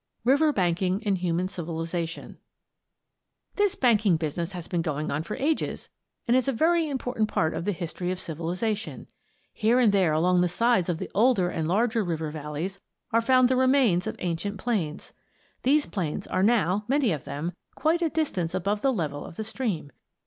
RIVER BANKING AND HUMAN CIVILIZATION This banking business has been going on for ages and is a very important part of the history of civilization. Here and there along the sides of the older and larger river valleys are found the remains of ancient plains. These plains are now, many of them, quite a distance above the level of the stream.